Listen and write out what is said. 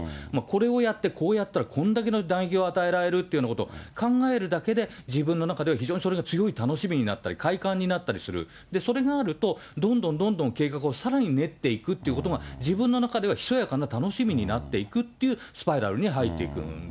これをやってこうやったらこれだけの打撃を与えられるというようなことを考えるだけで、自分の中では非常にそれが強い楽しみになったり、快感になったりする、それがあると、どんどんどんどん計画をさらに練っていくということが、自分の中ではひそやかな楽しみになっていくというスパイラルに入